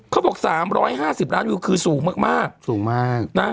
เขาบอกสามร้อยห้าสิบล้านวิวคือสูงมากสูงมาก